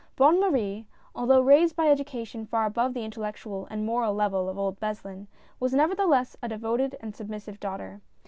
Bonne Marie, although raised by education far above the intellectual and moral level of old Beslin, was neverthe less a devoted and submissive daughter.